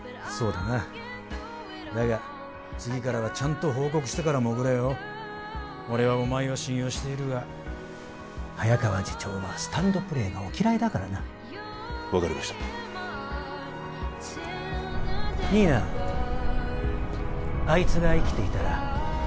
そうだなだが次からはちゃんと報告してから潜れよ俺はお前を信用しているが早川次長はスタンドプレーがお嫌いだからな分かりました新名あいつが生きていたら